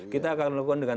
kita akan lakukan dengan